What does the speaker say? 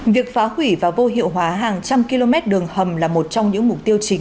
việc phá hủy và vô hiệu hóa hàng trăm km đường hầm là một trong những mục tiêu chính